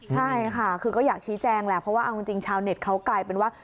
ใช่ค่ะคือก็อยากชี้แจงแหละเพราะว่าเอาจริงชาวเน็ตเขากลายเป็นว่า